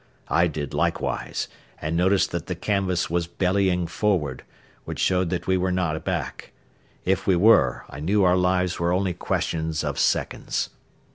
I did likewise, and noticed that the canvas was bellying forward, which showed that we were not aback. If we were, I knew our lives were only questions of seconds.